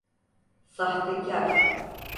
Sahtekâr!